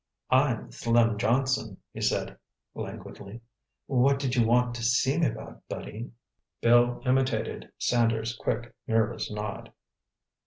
"I'm Slim Johnson," he said languidly. "What did you want to see me about, buddy?" Bill imitated Sanders' quick, nervous nod.